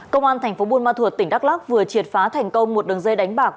công an tp bunma thuật tỉnh đắk lắc vừa triệt phá thành công một đường dây đánh bạc